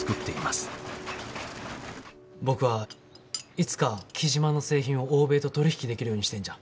僕はいつか雉真の製品を欧米と取り引きできるようにしたいんじゃ。